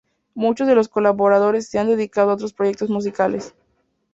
Muchos de los colaboradores se han dedicado a otros proyectos musicales.